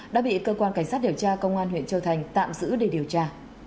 đã bị cơ quan cảnh sát điều tra công an huyện châu thành tạm giữ để điều tra